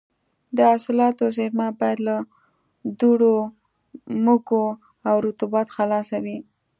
د حاصلاتو زېرمه باید له دوړو، مږو او رطوبت خلاصه وي.